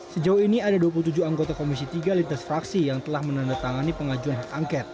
sejauh ini ada dua puluh tujuh anggota komisi tiga lintas fraksi yang telah menandatangani pengajuan hak angket